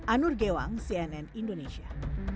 anur gewang cnn indonesia